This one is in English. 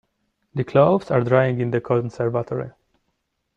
The clothes are drying in the conservatory.